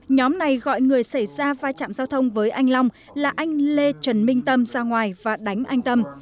nhóm này gọi người xảy ra vai trạm giao thông với anh long là anh lê trần minh tâm ra ngoài và đánh anh tâm